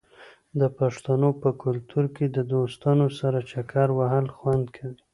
د پښتنو په کلتور کې د دوستانو سره چکر وهل خوند کوي.